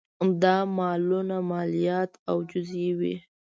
دا مالونه مالیات او جزیې وې